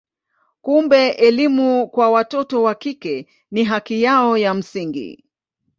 Kumbe elimu kwa watoto wa kike ni haki yao ya msingi.